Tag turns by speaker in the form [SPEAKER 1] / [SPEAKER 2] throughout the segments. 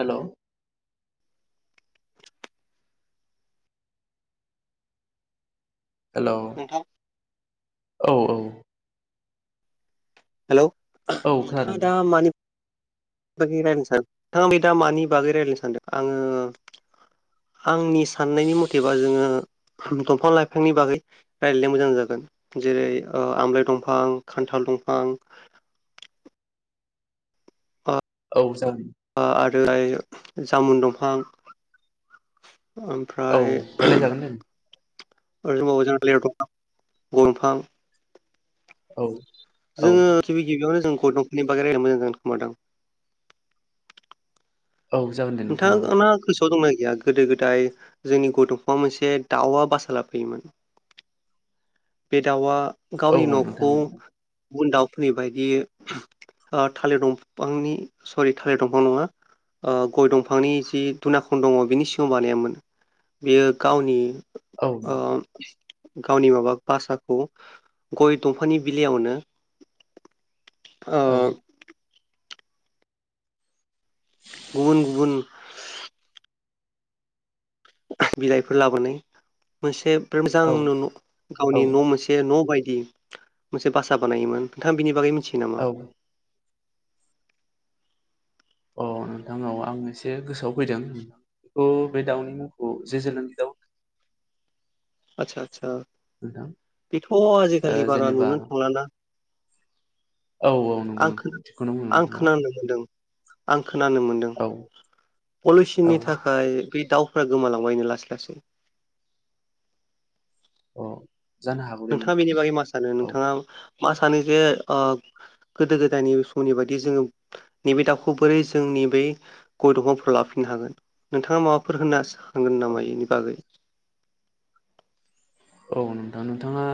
[SPEAKER 1] हेल' hello
[SPEAKER 2] नोंथां
[SPEAKER 1] औ औ।
[SPEAKER 2] हेलौ
[SPEAKER 1] औ खोनादों
[SPEAKER 2] नोंथाङा दा मानि [unintelligible] नोंथाङा बे दा मानि बागै रायलायनो सानदों? आङो आंनि सान्नायनि मथेब्ला जोङो दंफां लाइफांनि बागै रायलायनो मोजां जागोन जेरै ओ आमलाय दंफां खान्थाल खान्थाल दं फां अ [unintelligible]
[SPEAKER 1] औ जागोन।
[SPEAKER 2] जेरै जामुन दंफां।
[SPEAKER 1] औ
[SPEAKER 2] ओमफ्राय
[SPEAKER 1] रायलायजागोन दे
[SPEAKER 2] [inaudible] [unintelligible]
[SPEAKER 1] औ औ
[SPEAKER 2] जोङो गिबि गिबियावनो जों गय दंफानि बाग रनो मोजां जागोन खोमा दां
[SPEAKER 1] औ जागोन दे नोंथां औ
[SPEAKER 2] [unintelligible] दंना गैया गोदो गोदाय जोंनि गय दंफांआव मोनसे दावा बासा लाफैयोमोन बे दउआ
[SPEAKER 1] औ
[SPEAKER 2] गावनि
[SPEAKER 1] नोंथां
[SPEAKER 2] नखौ [unintelligible] दावफोरनि बायदि ओ थालिर दंफांनि सरि थालिर दंफां नङा ओ गय दंफांनि जि दुनाखन दङ बिनि सिगाङाव बानायामोन बेयो गावनि
[SPEAKER 1] औ
[SPEAKER 2] ओ गावनि माबाख भासाखौ गय दंफांनि बिलइयावनो
[SPEAKER 1] औ
[SPEAKER 2] गुबुन गुबुन [inaudible] बिलाइफोर लाबोनाय मोनसे मोजां
[SPEAKER 1] औ औ
[SPEAKER 2] गावनि न' मोनसे न' बायदि दि मोनसे बा बानायोमोन नोंथाङ बिनि बागै मिथियो
[SPEAKER 1] औ
[SPEAKER 2] नामा?
[SPEAKER 1] अ नोंथांनाव आं एसे गोसोआव फैदोंथ बेखौ ओ बे दाउनि मुंखौ जे जुलुंगि दाव होनो
[SPEAKER 2] आतसा आतसा
[SPEAKER 1] नोंथां
[SPEAKER 2] बेथ'
[SPEAKER 1] ओ
[SPEAKER 2] आजिखालि बारा
[SPEAKER 1] जेनेबा
[SPEAKER 2] नुो थांलाना
[SPEAKER 1] औ औ
[SPEAKER 2] [inaudible]
[SPEAKER 1] नंगौ नोंथां थिगखौनो बुंदों
[SPEAKER 2] आं
[SPEAKER 1] नोंथाङा
[SPEAKER 2] खोनानो मोनदों आं खोनानो मोनदों
[SPEAKER 1] औ औ
[SPEAKER 2] पलिसिनि थाखाय बे दाउफ्रा गोमालांबायनो लासै लासै।
[SPEAKER 1] अ जानो हागौ दे
[SPEAKER 2] नोंथाङा
[SPEAKER 1] नोंथां
[SPEAKER 2] बेनि बागै मा सानो
[SPEAKER 1] औ
[SPEAKER 2] नोंथाङा मा सानो जे ओ गोदो गोदायनि समनि बायदि जोङो नैबे दाउखौ बोरै जोंनि ब गय दंफांफोराव लाफिननो हागोन नोंथाङा माबाफोर होनना थांगोन
[SPEAKER 1] औ
[SPEAKER 2] नामा बेनि बागै?
[SPEAKER 1] औ नोंथां नोंथाङा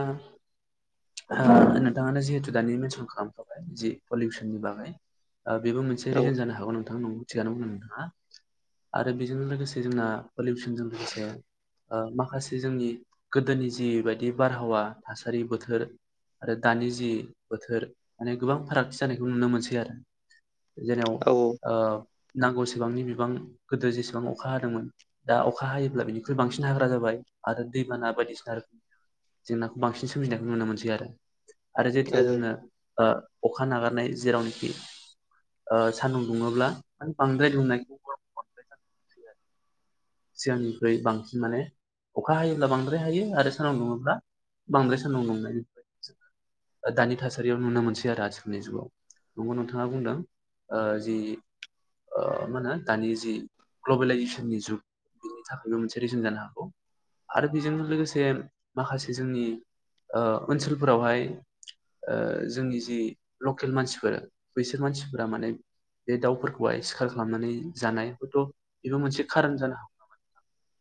[SPEAKER 1] ओ नोंथाङानो जिहेथु दानि मेनसन खालामख'बाय जि पलिउसननि बागै ओ बेबो मोनसे
[SPEAKER 2] औ
[SPEAKER 1] रिजन जानो हागौ नोंथां नंगौ थिखानो बुंदों नोंथाङा आरो बेजों लोगोसे जोंना पलिउसनजों लोगोसे माखासे जोंनि गोदोनि जिबायदि बारहावा थासारि बोथोर आरो दानि जि बोथोर माने गोबां फारागथि जानायखौ नुनो मोनसै आरो जेनाव
[SPEAKER 2] औ
[SPEAKER 1] ओ नांगौसेबांनि बिबां गोदो जेसेबां अखा हादोंमोन दा अखा हायोब्ला बिनिख्रुइ बांसिन हाग्रा जाबाय आरो दैबाना बायदिसिना रोखोम जेंनाखौ बांसिन सोमजिनायखौ नुनो मोनसै दि आरो आरो
[SPEAKER 2] औ
[SPEAKER 1] जेथिया जोंनो ओ अखा नागारनाय जेरावनोखि ओ सान्दुं दुङोब्ला बांद्राय दुंनाय [unintelligible] सिगांनिख्रुइ बांसिन माने अखा हायोब्ला बांद्राय हायो आरो सोरनाव नुङोब्ला बांद्राय सोरनाव दंनायनि दानि थासारियाव नुनो मोनसै आरो आथिखालनि जुगाव नंगौ नोंथाङा बुंदों ओ जि मा होनो दानि जि ग्लबेलाइजेसननि जुग बेनि थाखायबो मोनसे रिजन जानो हागौ आरो बेजों लोगोसे माखासे जोंनि ओ ओनसोलफोरावहाय जोंनि जि लकेल मानसिफोर बैसोर मानसिफोरा माने बे दाउफोरखौहाय सिखार खालामनानै जानाय हयथ' बेबो मोनसे खारन जानो हागौ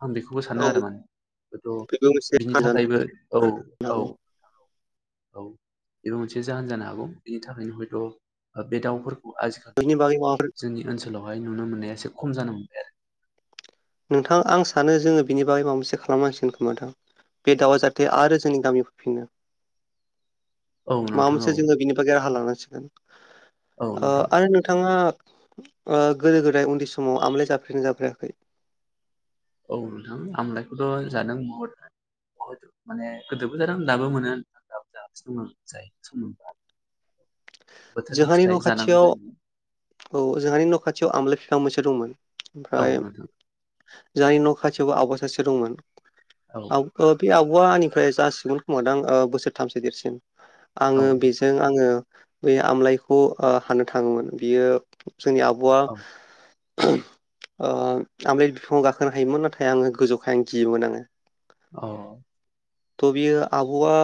[SPEAKER 1] आं बेखौबो सानो
[SPEAKER 2] औ
[SPEAKER 1] आरो माने हयथ'
[SPEAKER 2] बेबो मोनसे
[SPEAKER 1] बिनि
[SPEAKER 2] फानजानो
[SPEAKER 1] थाखायबो औ औ औ
[SPEAKER 2] हागौ
[SPEAKER 1] औ बेबो मोनसे जाहोन जानो हागौ बेनि थाखायनो हयथ' बे दाउफोर आजिखालि
[SPEAKER 2] बेनि बागै माबाफोर
[SPEAKER 1] जोंनि ओनसोलाव बेहाय नुनो मोननाया एसे खम जानो हमबाय आरो
[SPEAKER 2] नोंथां आं सानो जोङो बिनि बागै माबा मोनसे खालामनांसिगोन खोमादों बे दाउआ जाहाथे आरो जोंनि गामियाव फैफिनो
[SPEAKER 1] औ
[SPEAKER 2] माबा
[SPEAKER 1] नोंथां औ
[SPEAKER 2] मोसे जोंङो बिनि बागोय राहा लानां सिगोन
[SPEAKER 1] औ
[SPEAKER 2] ओ
[SPEAKER 1] नोंथां
[SPEAKER 2] आरो नोंथाङा ओ गोदो - गोदाय उन्दै समाव आमलाय जाफेदोंना जाफेरायाखै
[SPEAKER 1] औ नोंथां आमलायखौथ' जादों बहुद - बहुद माने गोदोबो जादों दाबो मोनो दाबो जागासिनो दङ जाय सम मोन
[SPEAKER 2] जोंहानि न' खाथियाव औ जोंहानि न' खाथियाव आमलााय बिफां मोन से दंमोन
[SPEAKER 1] औ
[SPEAKER 2] ओमफ्राय
[SPEAKER 1] नोंथां
[SPEAKER 2] जोहानि न' खाथिबो आबा सासे दंमोन
[SPEAKER 1] औ
[SPEAKER 2] आव ओ बे आव औवानिफ्राय जासिगोन खोमादों ओ बोसोरथामसो देरसिन
[SPEAKER 1] औ
[SPEAKER 2] आङो बेजों आङो बे आमलायखौ ओ हानो थाङोमोन बियो जोंनि आब'वा
[SPEAKER 1] औ
[SPEAKER 2] आमलेट बिफांङाव गाखोनो हायोमोन नाथाय आङो गोजौखाय आं गियोमोन आङो
[SPEAKER 1] औ
[SPEAKER 2] थ' बियो आब'आ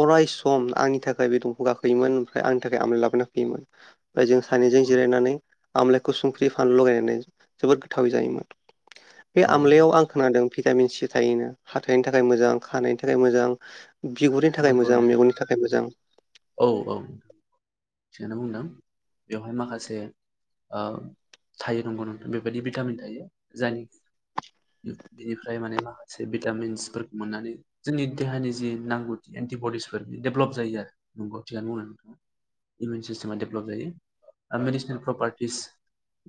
[SPEAKER 2] अरायसम आंनि थाखाय बे दंफां गाखोयोमोन आंनि थाखाय आमलाय लाबोना होफैयोमोन ओमफ्राय जों सानैजों
[SPEAKER 1] औ
[SPEAKER 2] जिरायनानै आमलाायखौ संख्रि, फानलु लगायनानै जोबोद गोथावै जायोमोन बे
[SPEAKER 1] औ
[SPEAKER 2] आमलायाव आं खोनादों भिटामिन सि थायोनो हाथायनि थाखाय मोजां खानायनि थाखाय मोजां बिगुरनि थाखाय
[SPEAKER 1] नंगौ
[SPEAKER 2] मोजां
[SPEAKER 1] नोंथां
[SPEAKER 2] मेगननि थाखाय मोजां
[SPEAKER 1] औ - औ थिगानो बुंदों बेवहाय माखासे ओ थायो नंगौ नोंथां बेबायदि भिटामिन थायो जायनि बेनिफ्राय माने माखासे भिटामिन्सफोरखौ मोननानै जोंनि देहानि जि नांगौथि एन्टिबडिसफोर बे डेभलप जायो आरो नंगौ थिगानो बुंदों नोंथाङा इमिउन सिस्टेमा डेभेलप जायो मेडिसिनेल प्रपार्टिस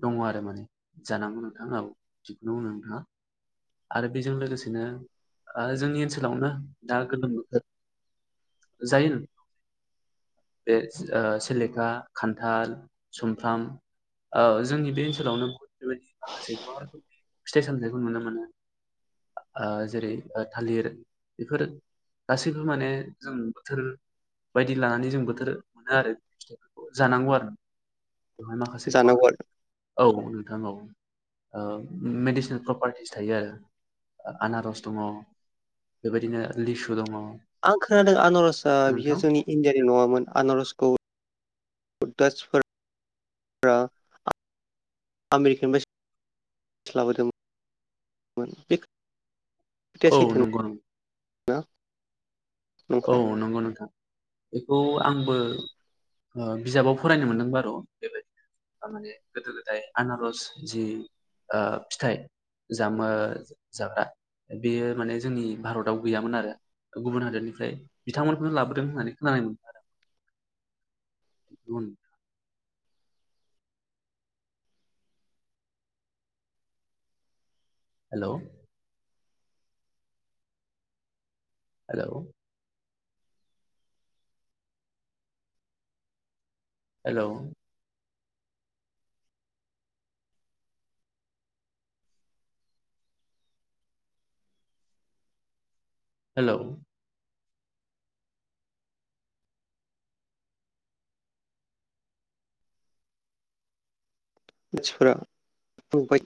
[SPEAKER 1] दङ आरो माने जानांगौ नोंथां औ बिखौनो बुंनो नोंथाङा आरो बेजों लोगोसेनो जोंनि ओनसोलावनो दा गोलोम बोथोर जायो न बे ओ सेलेखा, खान्थाल, सुमफ्राम जोंनि बे ओनसोलावनो बहुत बेबायदि माखासे गोबां रोखोमनि फिथाइ सामथथायखौ नुनो मोनो जेरै थालिर बेफोर गासैबो माने जों बोथोर बायदि लानानै जों बोथोर मोनो आरो जानांगौ आरो बेवहाय माखासे [unintelligible] बां
[SPEAKER 2] जानांगौ आरो
[SPEAKER 1] औ थां औ ओ मेडिसिन प्रपारटिस थायो आरो आनारस दङ बेबायदिनो लिसु दङ
[SPEAKER 2] आं खोनादो आनारस दा बियो
[SPEAKER 1] नोंथां
[SPEAKER 2] जोंनि इण्डियानि नङामोन आनारस खौ [unintelligible] आमेरिका [unintelligible] लाबोदोंमोन [unintelligible] बे खोथाया
[SPEAKER 1] औ
[SPEAKER 2] सैथो
[SPEAKER 1] नंगौ नं
[SPEAKER 2] [unintelligible] ना
[SPEAKER 1] औ
[SPEAKER 2] नंखाय
[SPEAKER 1] नंगौ नोंथां बेखौ आंबो ओ बिजाबाव फरायनो मोनदों बार' बेबायदिनो माने गोदो गोदाय आनारस जि ओ फिथाइ जामो जाग्रा बेयो माने जोंनि भारताव गैयामोन आरो गुबुन हादोरनिफ्र फ्राय बिथांमोनखौनो लाबोदों होननानै खोनानाय मोन [unintelligible] आरो आं [unintelligible] हेल' हेलौ हेलौ हेलौ
[SPEAKER 2] मानसिफोरा बुंंबाय